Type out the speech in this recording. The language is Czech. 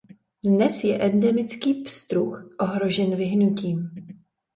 Dnes je endemický pstruh ohrožen vyhynutím.